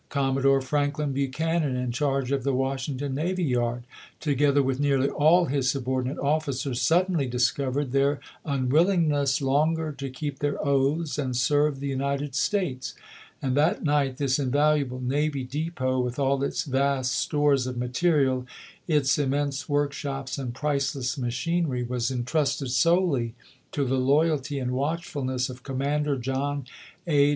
Commodore Franklin Buchanan, in charge of the Washington navy yard, together with nearly all his subordinate officers, suddenly discovered their unwillingness longer to keep their oaths and serve the United States ; and that night this invaluable navy depot, with all its vast stores of material, its immense workshops and priceless machinery, was intrusted solely to the loyalty and watchfulness of Commander John A.